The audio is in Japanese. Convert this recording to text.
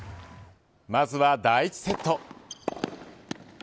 まずは第１セット。